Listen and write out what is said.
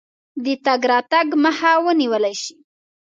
د تګ راتګ مخه ونیوله شي.